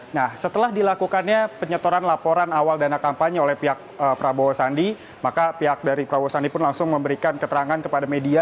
nah setelah dilakukannya penyetoran laporan awal dana kampanye oleh pihak prabowo sandi maka pihak dari prabowo sandi pun langsung memberikan keterangan kepada media